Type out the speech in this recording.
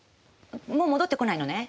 もう戻ってこないのね。